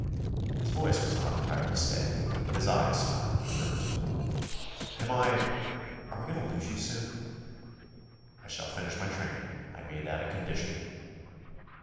His voice was not entirely steady, but his eyes smiled into hers. "Am I are we going to lose you soon?" "I shall finish my training. I made that a condition."